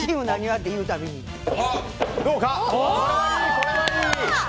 これはいい！